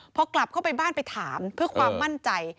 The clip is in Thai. พอกลับเข้าไปบ้านไปถามเพื่อความมั่นใจ